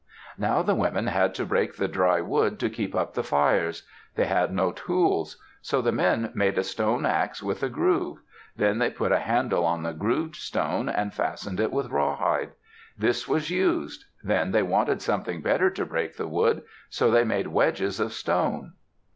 Now the women had to break the dry wood to keep up the fires. They had no tools. So the men made a stone ax with a groove. Then they put a handle on the grooved stone and fastened it with rawhide. This was used. Then they wanted something better to break the wood. So they made wedges of stone.